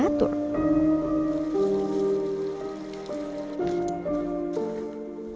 dan juga dari kultur